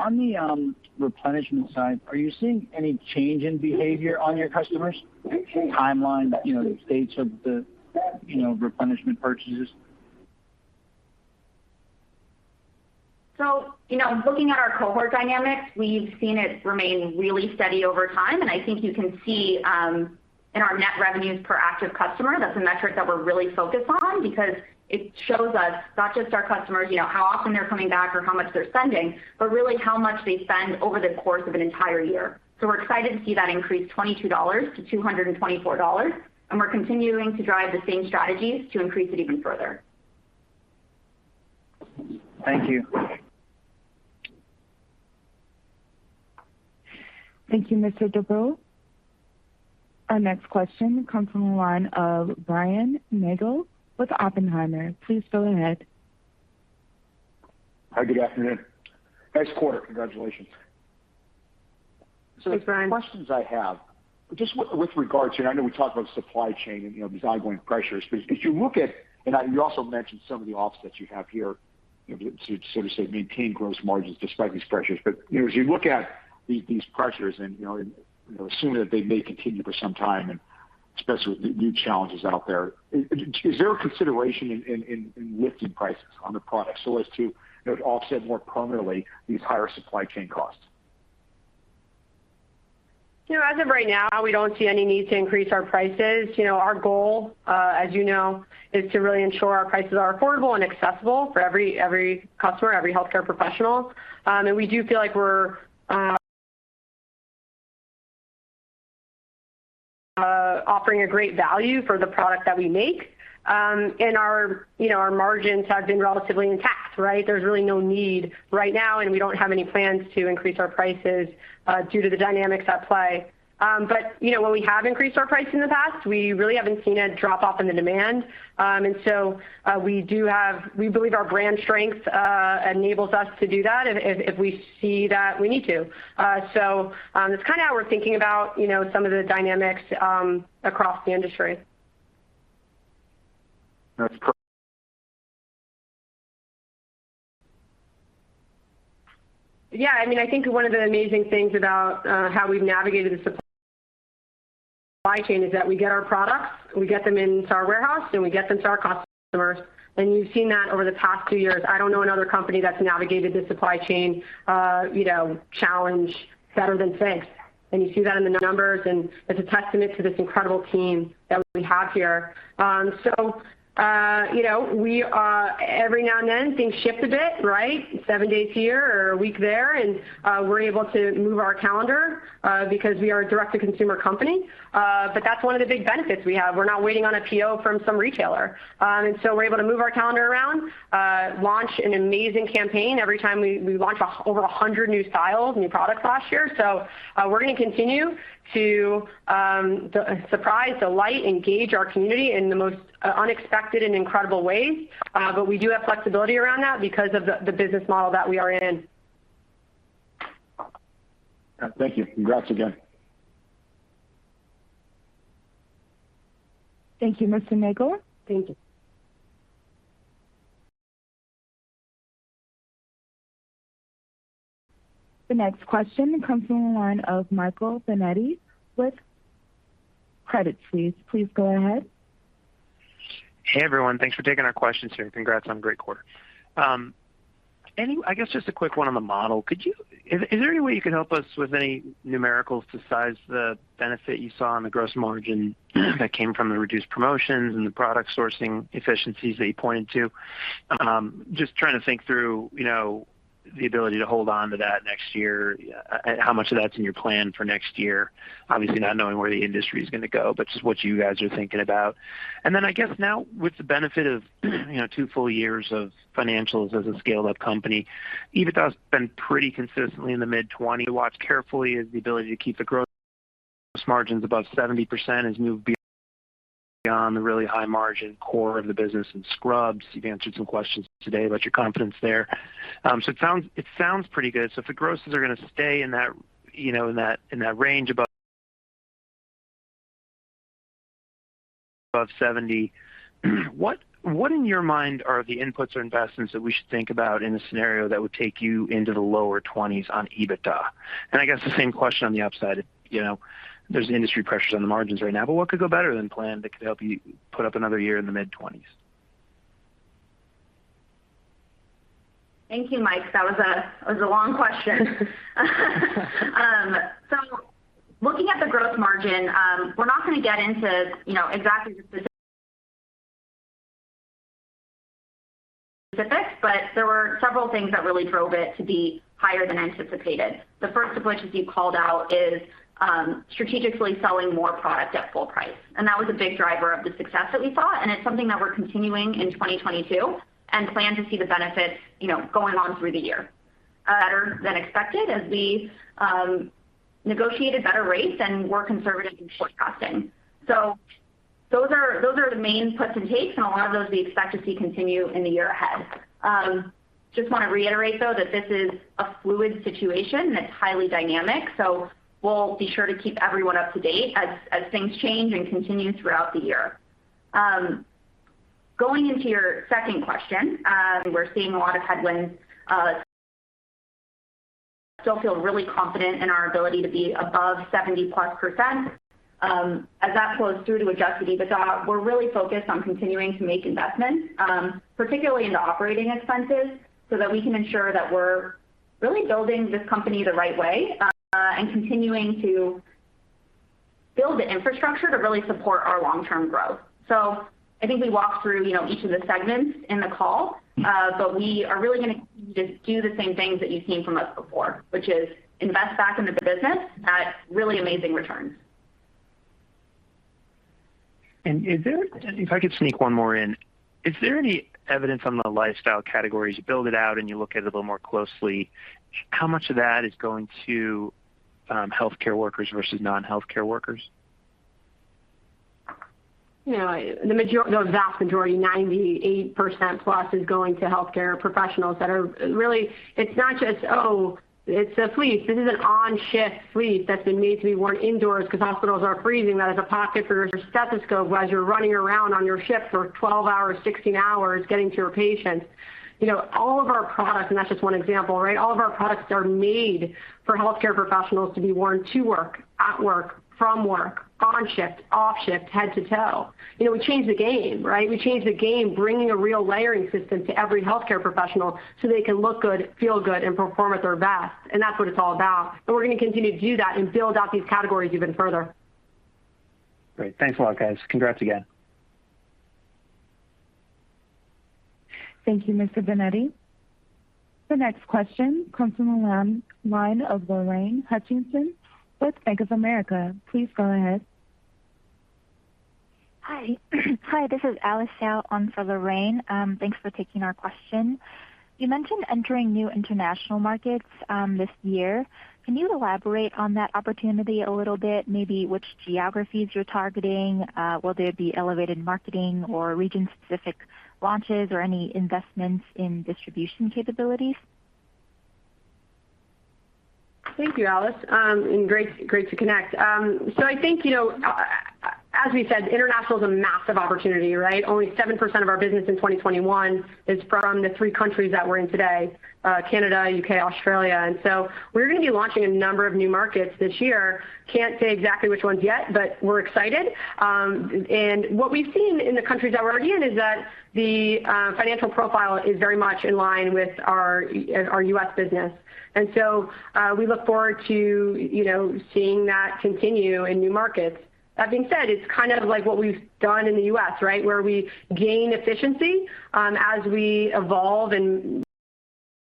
the replenishment side, are you seeing any change in behavior of your customers' timelines, you know, the status of the, you know, replenishment purchases? You know, looking at our cohort dynamics, we've seen it remain really steady over time. I think you can see in our net revenues per active customer. That's a metric that we're really focused on because it shows us not just our customers, you know, how often they're coming back or how much they're spending, but really how much they spend over the course of an entire year. We're excited to see that increase $22 to $224, and we're continuing to drive the same strategies to increase it even further. Thank you. Thank you, Mr. Drbul. Our next question comes from the line of Brian Nagel with Oppenheimer. Please go ahead. Hi. Good afternoon. Nice quarter. Congratulations. Thanks, Brian. The questions I have, just with regards to. I know we talked about supply chain and, you know, these ongoing pressures. You also mentioned some of the offsets you have here to sort of say, maintain gross margins despite these pressures. You know, as you look at these pressures and, you know, assuming that they may continue for some time and especially with the new challenges out there, is there a consideration in lifting prices on the product so as to, you know, offset more permanently these higher supply chain costs? You know, as of right now, we don't see any need to increase our prices. You know, our goal, as you know, is to really ensure our prices are affordable and accessible for every customer, every healthcare professional. And we do feel like we're offering a great value for the product that we make. And our, you know, our margins have been relatively intact, right? There's really no need right now, and we don't have any plans to increase our prices due to the dynamics at play. But, you know, when we have increased our price in the past, we really haven't seen a drop off in the demand. And so, we do have. We believe our brand strength enables us to do that if we see that we need to. That's kind of how we're thinking about, you know, some of the dynamics across the industry. That's per- Yeah, I mean, I think one of the amazing things about how we've navigated the supply chain is that we get our products, we get them into our warehouse, and we get them to our customers. You've seen that over the past two years. I don't know another company that's navigated the supply chain, you know, challenge better than FIGS. You see that in the numbers, and it's a testament to this incredible team that we have here. You know, every now and then, things shift a bit, right? Seven days here or a week there, and we're able to move our calendar because we are a direct-to-consumer company. That's one of the big benefits we have. We're not waiting on a PO from some retailer. We're able to move our calendar around, launch an amazing campaign every time we launch over 100 new styles, new products last year. We're gonna continue to surprise, delight, engage our community in the most unexpected and incredible ways. We do have flexibility around that because of the business model that we are in. Thank you. Congrats again. Thank you, Mr. Nagel. Thank you. The next question comes from the line of Michael Binetti with Credit Suisse. Please go ahead. Hey, everyone. Thanks for taking our questions here. Congrats on great quarter. I guess just a quick one on the model. Is there any way you could help us with any numericals to size the benefit you saw on the gross margin that came from the reduced promotions and the product sourcing efficiencies that you pointed to? Just trying to think through, you know, the ability to hold on to that next year, how much of that's in your plan for next year. Obviously not knowing where the industry is gonna go, but just what you guys are thinking about. I guess now with the benefit of, you know, two full years of financials as a scaled up company, EBITDA has been pretty consistently in the mid-20. watch carefully is the ability to keep the gross margins above 70% as we move beyond the really high margin core of the business and scrubs. You've answered some questions today about your confidence there. It sounds pretty good. If the grosses are gonna stay in that, you know, in that range above 70%. What in your mind are the inputs or investments that we should think about in a scenario that would take you into the lower 20s on EBITDA? I guess the same question on the upside, you know, there's industry pressures on the margins right now, but what could go better than planned that could help you put up another year in the mid-20s? Thank you, Mike. That was a long question. Looking at the growth margin, we're not gonna get into, you know, exactly the specifics, but there were several things that really drove it to be higher than anticipated. The first of which, as you called out, is strategically selling more product at full price. That was a big driver of the success that we saw, and it's something that we're continuing in 2022 and plan to see the benefits, you know, going on through the year. Better than expected as we negotiated better rates and were conservative in forecasting. Those are the main puts and takes, and a lot of those we expect to see continue in the year ahead. Just wanna reiterate, though, that this is a fluid situation that's highly dynamic, so we'll be sure to keep everyone up to date as things change and continue throughout the year. Going into your second question, we're seeing a lot of headwinds. Still feel really confident in our ability to be above +70%. As that flows through to adjusted EBITDA, we're really focused on continuing to make investments, particularly into operating expenses, so that we can ensure that we're really building this company the right way, and continuing to build the infrastructure to really support our long-term growth. I think we walked through, you know, each of the segments in the call, but we are really gonna continue to do the same things that you've seen from us before, which is invest back into the business at really amazing returns. If I could sneak one more in. Is there any evidence on the lifestyle categories? You build it out, and you look at it a little more closely. How much of that is going to healthcare workers versus non-healthcare workers? You know, the vast majority, 98% plus, is going to healthcare professionals that are really. It's not just, oh, it's a fleece. This is an on-shift fleece that's been made to be worn indoors because hospitals are freezing that has a pocket for your stethoscope as you're running around on your shift for 12 hours, 16 hours getting to your patients. You know, all of our products, and that's just one example, right? All of our products are made for healthcare professionals to be worn to work, at work, from work, on shift, off shift, head to toe. You know, we changed the game, right? We changed the game, bringing a real layering system to every healthcare professional, so they can look good, feel good, and perform at their best, and that's what it's all about. We're gonna continue to do that and build out these categories even further. Great. Thanks a lot, guys. Congrats again. Thank you, Mr. Binetti. The next question comes from the line of Lorraine Hutchinson with Bank of America. Please go ahead. Hi. Hi, this is Alice Xiao on for Lorraine. Thanks for taking our question. You mentioned entering new international markets, this year. Can you elaborate on that opportunity a little bit? Maybe which geographies you're targeting? Will there be elevated marketing or region-specific launches or any investments in distribution capabilities? Thank you, Alice. Great to connect. I think, you know, as we said, international is a massive opportunity, right? Only 7% of our business in 2021 is from the three countries that we're in today, Canada, U.K., Australia. We're gonna be launching a number of new markets this year. Can't say exactly which ones yet, but we're excited. What we've seen in the countries that we're already in is that the financial profile is very much in line with our U.S. business. We look forward to, you know, seeing that continue in new markets. That being said, it's kind of like what we've done in the U.S., right? Where we gain efficiency, as we evolve and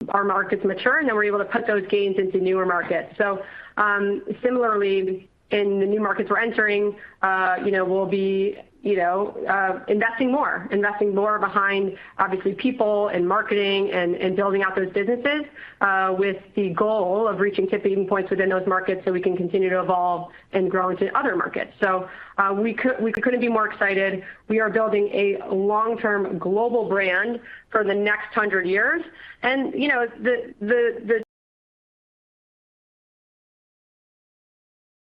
our markets mature, and then we're able to put those gains into newer markets. Similarly in the new markets we're entering, you know, we'll be, you know, investing more. Investing more behind obviously people and marketing and building out those businesses, with the goal of reaching tipping points within those markets, so we can continue to evolve and grow into other markets. We couldn't be more excited. We are building a long-term global brand for the next 100 years. You know,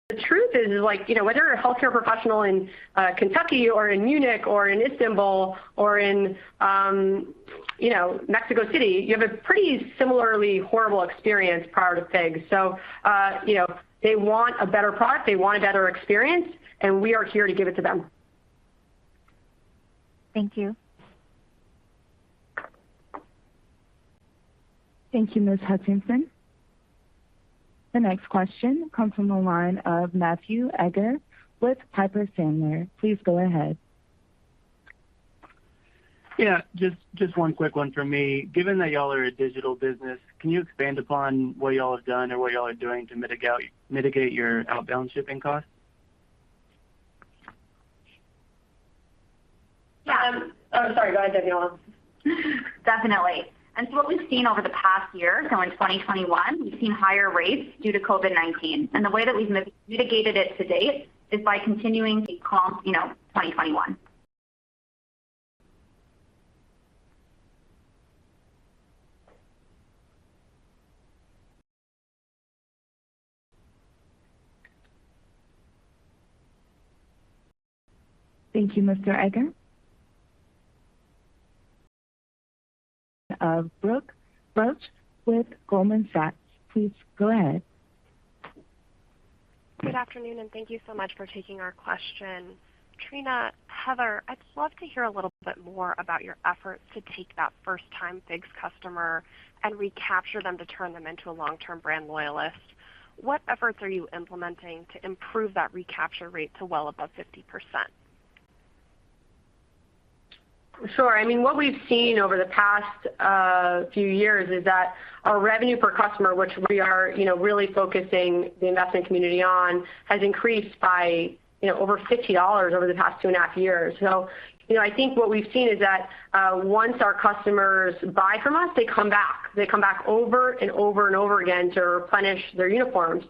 the truth is like, you know, whether you're a healthcare professional in Kentucky or in Munich or in Istanbul or in Mexico City, you have a pretty similarly horrible experience prior to FIGS. You know, they want a better product, they want a better experience, and we are here to give it to them. Thank you. Thank you, Ms. Hutchinson. The next question comes from the line of Matthew Egger with Piper Sandler. Please go ahead. Yeah, just one quick one from me. Given that y'all are a digital business, can you expand upon what y'all have done or what y'all are doing to mitigate your outbound shipping costs? Yeah. Go ahead, Daniella. Definitely. What we've seen over the past year, so in 2021, we've seen higher rates due to COVID-19. The way that we've mitigated it to date is by continuing to comp, you know, 2021. Thank you, Mr. Egger. From Brooke Roach with Goldman Sachs. Please go ahead. Good afternoon, and thank you so much for taking our question. Trina, Heather, I'd love to hear a little bit more about your efforts to take that first time FIGS customer and recapture them to turn them into a long-term brand loyalist. What efforts are you implementing to improve that recapture rate to well above 50%? Sure. I mean, what we've seen over the past few years is that our revenue per customer, which we are, you know, really focusing the investment community on, has increased by, you know, over $50 over the past 2.5 years. I think what we've seen is that once our customers buy from us, they come back. They come back over and over and over again to replenish their uniforms.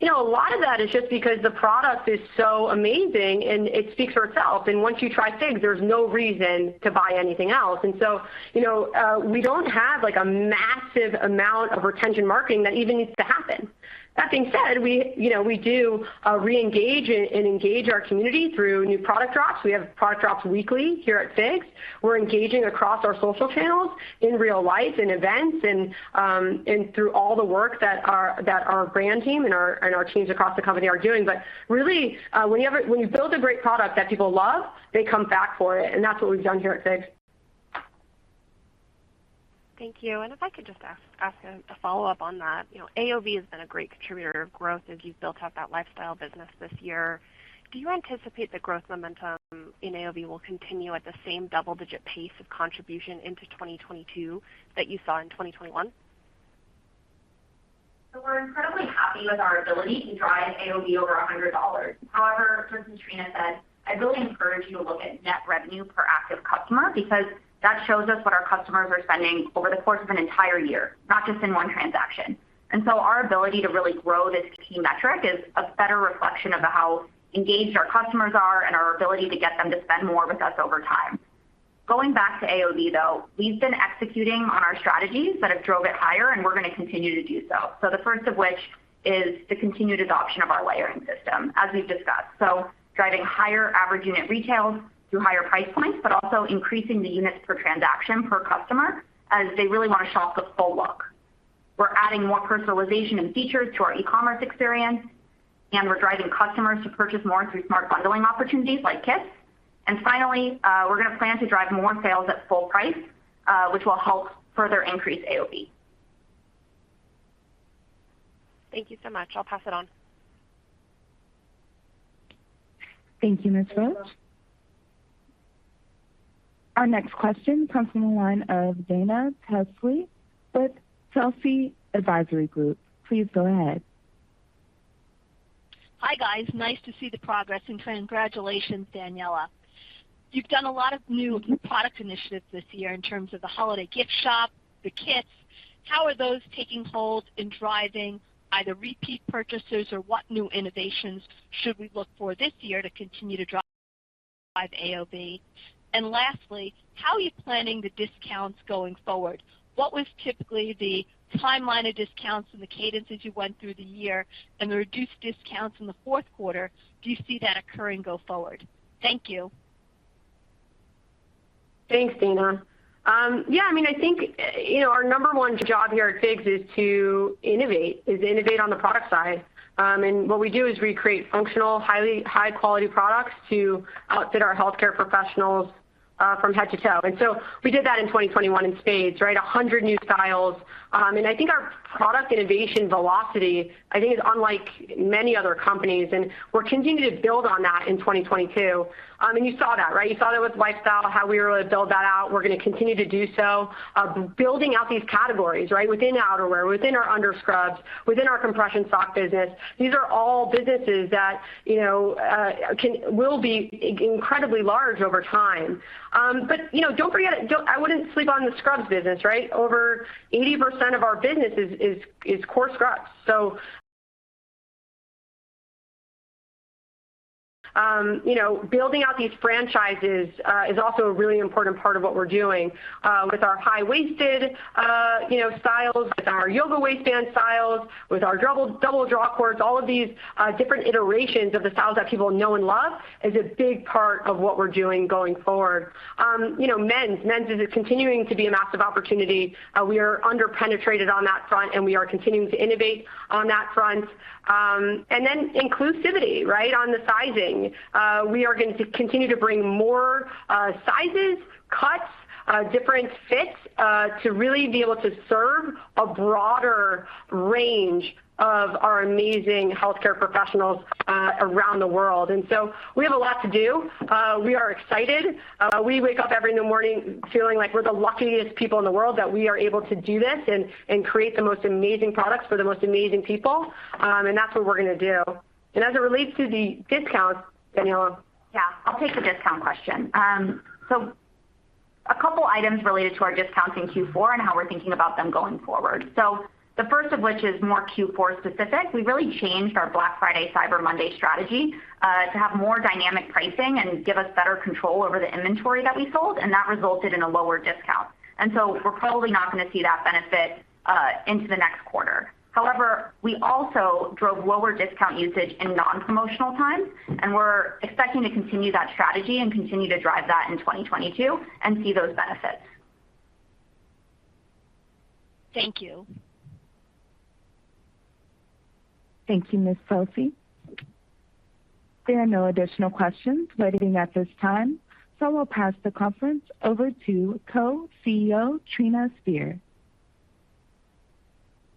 You know, a lot of that is just because the product is so amazing and it speaks for itself. Once you try FIGS, there's no reason to buy anything else. You know, we don't have, like, a massive amount of retention marketing that even needs to happen. That being said, we, you know, we do reengage and engage our community through new product drops. We have product drops weekly here at FIGS. We're engaging across our social channels in real life, in events, and through all the work that our brand team and our teams across the company are doing. Really, when you build a great product that people love, they come back for it, and that's what we've done here at FIGS. Thank you. If I could just ask a follow-up on that. You know, AOV has been a great contributor to growth as you've built out that lifestyle business this year. Do you anticipate the growth momentum in AOV will continue at the same double-digit pace of contribution into 2022 that you saw in 2021? We're incredibly happy with our ability to drive AOV over $100. However, as Trina said, I'd really encourage you to look at net revenue per active customer because that shows us what our customers are spending over the course of an entire year, not just in one transaction. Our ability to really grow this key metric is a better reflection of how engaged our customers are and our ability to get them to spend more with us over time. Going back to AOV, though, we've been executing on our strategies that have drove it higher, and we're gonna continue to do so. The first of which is the continued adoption of our layering system, as we've discussed. Driving higher average unit retail through higher price points, but also increasing the units per transaction per customer as they really wanna shop the full look. We're adding more personalization and features to our e-commerce experience, and we're driving customers to purchase more through smart bundling opportunities like Kits. Finally, we're gonna plan to drive more sales at full price, which will help further increase AOV. Thank you so much. I'll pass it on. Thank you, Ms. Roach. Our next question comes from the line of Dana Telsey with Telsey Advisory Group. Please go ahead. Hi, guys. Nice to see the progress and congratulations, Daniella. You've done a lot of new product initiatives this year in terms of the holiday gift shop, the Kits. How are those taking hold in driving either repeat purchasers or what new innovations should we look for this year to continue to drive AOV? And lastly, how are you planning the discounts going forward? What was typically the timeline of discounts and the cadence as you went through the year and the reduced discounts in the fourth quarter, do you see that occurring go forward? Thank you. Thanks, Dana. Yeah, I mean, I think, you know, our number one job here at FIGS is to innovate on the product side. What we do is we create functional, high quality products to outfit our healthcare professionals from head to toe. We did that in 2021 in spades, right? 100 new styles. I think our product innovation velocity is unlike many other companies, and we're continuing to build on that in 2022. You saw that, right? You saw that with lifestyle, how we really build that out. We're gonna continue to do so, building out these categories, right? Within outerwear, within our under scrubs, within our compression sock business. These are all businesses that, you know, will be incredibly large over time. You know, don't forget, I wouldn't sleep on the scrubs business, right? Over 80% of our business is core scrubs. You know, building out these franchises is also a really important part of what we're doing with our high-waisted, you know, styles, with our yoga waistband styles, with our double drawcords, all of these different iterations of the styles that people know and love is a big part of what we're doing going forward. You know, men's is continuing to be a massive opportunity. We are under-penetrated on that front, and we are continuing to innovate on that front. Inclusivity, right, on the sizing. We are going to continue to bring more sizes, cuts, different fits to really be able to serve a broader range of our amazing healthcare professionals around the world. We have a lot to do. We are excited. We wake up every morning feeling like we're the luckiest people in the world, that we are able to do this and create the most amazing products for the most amazing people. That's what we're gonna do. As it relates to the discounts, Daniella. Yeah. I'll take the discount question. Items related to our discounts in Q4 and how we're thinking about them going forward. The first of which is more Q4 specific. We really changed our Black Friday, Cyber Monday strategy to have more dynamic pricing and give us better control over the inventory that we sold, and that resulted in a lower discount. We're probably not gonna see that benefit into the next quarter. However, we also drove lower discount usage in non-promotional times, and we're expecting to continue that strategy and continue to drive that in 2022 and see those benefits. Thank you. Thank you, Ms. Hutchinson. There are no additional questions waiting at this time, so I'll pass the conference over to Co-CEO Trina Spear.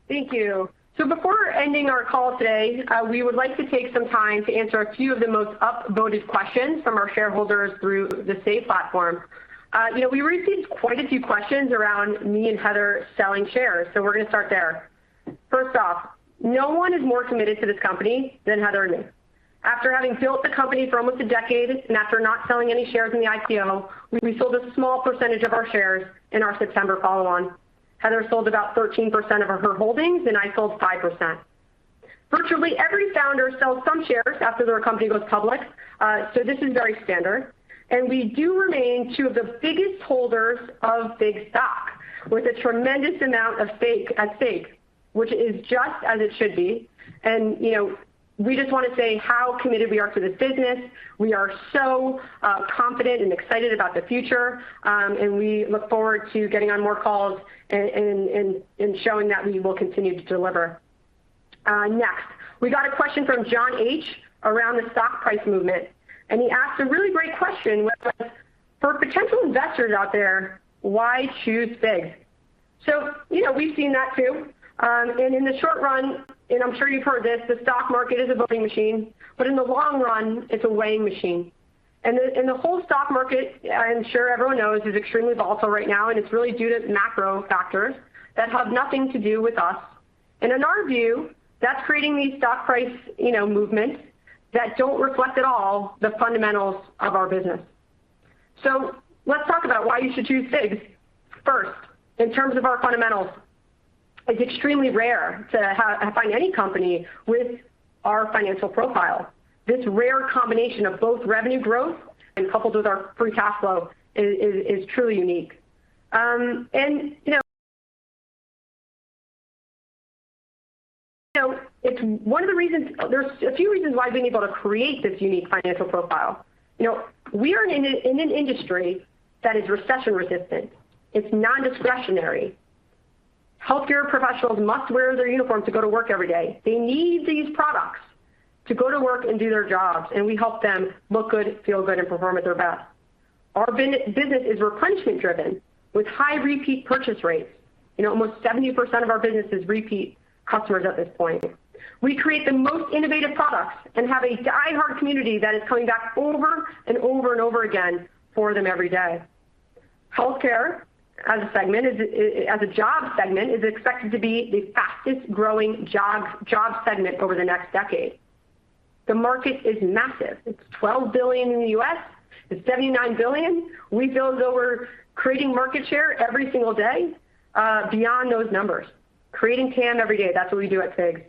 Thank you. Before ending our call today, we would like to take some time to answer a few of the most upvoted questions from our shareholders through the Say platform. You know, we received quite a few questions around me and Heather selling shares, so we're gonna start there. First off, no one is more committed to this company than Heather and me. After having built the company for almost a decade and after not selling any shares in the IPO, we sold a small percentage of our shares in our September follow-on. Heather sold about 13% of her holdings, and I sold 5%. Virtually every founder sells some shares after their company goes public, so this is very standard. We do remain two of the biggest holders of FIGS' stock with a tremendous amount of stake at stake, which is just as it should be. You know, we just wanna say how committed we are to this business. We are so confident and excited about the future, and we look forward to getting on more calls and showing that we will continue to deliver. Next. We got a question from John H. around the stock price movement, and he asked a really great question which was, for potential investors out there, why choose FIGS? You know, we've seen that too. In the short run, and I'm sure you've heard this, the stock market is a voting machine, but in the long run, it's a weighing machine. The whole stock market, I'm sure everyone knows, is extremely volatile right now, and it's really due to macro factors that have nothing to do with us. In our view, that's creating these stock price, you know, movements that don't reflect at all the fundamentals of our business. Let's talk about why you should choose FIGS. First, in terms of our fundamentals, it's extremely rare to find any company with our financial profile. This rare combination of both revenue growth and coupled with our free cash flow is truly unique. You know, it's one of the reasons. There's a few reasons why being able to create this unique financial profile. You know, we are in an industry that is recession resistant. It's nondiscretionary. Healthcare professionals must wear their uniforms to go to work every day. They need these products to go to work and do their jobs, and we help them look good, feel good, and perform at their best. Our business is replenishment driven with high repeat purchase rates. You know, almost 70% of our business is repeat customers at this point. We create the most innovative products and have a diehard community that is coming back over and over and over again for them every day. Healthcare as a segment as a job segment is expected to be the fastest-growing job segment over the next decade. The market is massive. It's $12 billion in the US. It's $79 billion. We feel as though we're creating market share every single day beyond those numbers. Creating TAM every day, that's what we do at FIGS.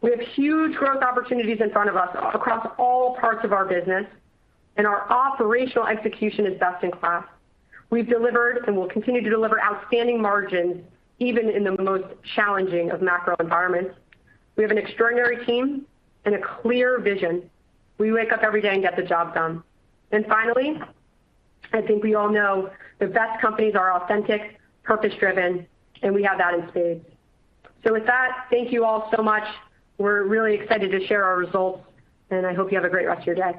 We have huge growth opportunities in front of us across all parts of our business, and our operational execution is best in class. We've delivered and will continue to deliver outstanding margins even in the most challenging of macro environments. We have an extraordinary team and a clear vision. We wake up every day and get the job done. Finally, I think we all know the best companies are authentic, purpose-driven, and we have that in spades. With that, thank you all so much. We're really excited to share our results, and I hope you have a great rest of your day.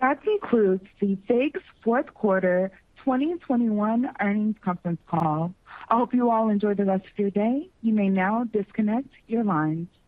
That concludes the FIGS' fourth quarter 2021 earnings conference call. I hope you all enjoy the rest of your day. You may now disconnect your lines.